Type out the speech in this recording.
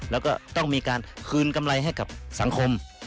แล้วก็ต้องมีการคืนกำไรให้กับสังคม